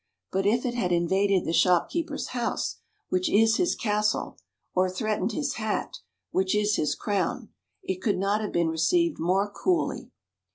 But if it had invaded the shopkeeper's house, which is his castle, or threatened his hat, which is his crown, it could not have been received more coolly.